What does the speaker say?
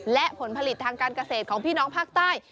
และผลผลิตทางการเกษตรของพี่น้องภาคใต้